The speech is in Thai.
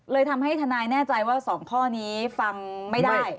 เลยทำให้ทนายแน่ใจว่า๒ข้อนี้ฟังไม่ได้